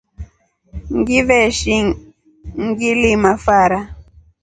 Ngiveshi ngilima fara.